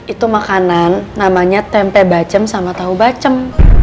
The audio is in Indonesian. itu makanan namanya tempe bacem sama tahu bacem